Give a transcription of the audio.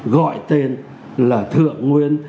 gọi tên là thượng nguyên